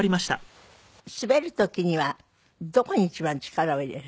滑る時にはどこに一番力を入れる？